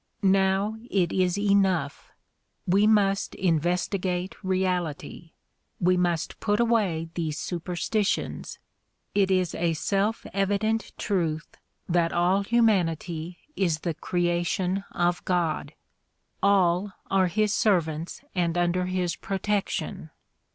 Now it is enough ! We must investigate reality. We must put away these superstitions. It is a self evident truth that all hu manity is the creation of God. All are his sei \'ants and under his protection.